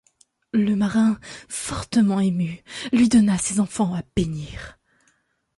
Le marin, fortement ému, lui donna ses enfants à bénir.